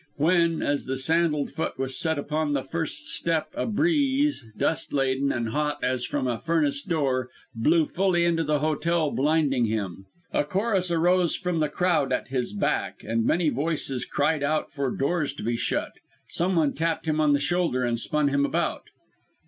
When, as the sandalled foot was set upon the first step, a breeze, dust laden, and hot as from a furnace door, blew fully into the hotel, blinding him. A chorus arose from the crowd at his back; and many voices cried out for doors to be shut. Someone tapped him on the shoulder, and spun him about.